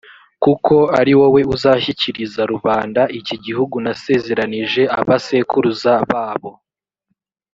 kuko ari wowe uzashyikiriza rubanda iki gihugu nasezeranije abasekuruza babo